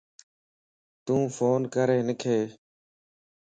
تُون فون ڪَر ھنک